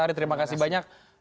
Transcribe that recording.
mas arya terima kasih banyak